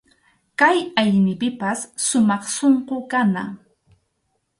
Kay aynipipas sumaq sunqu kana.